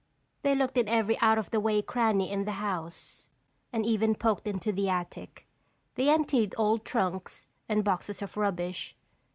They looked in every out of the way cranny in the house and even poked into the attic; they emptied old trunks and boxes of rubbish.